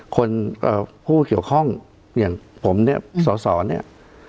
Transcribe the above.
เอ่อผู้เกี่ยวข้องอย่างผมเนี่ยสอสอเนี่ย